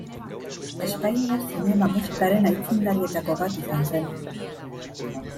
Espainiar zinema musikaren aitzindarietako bat izan zen.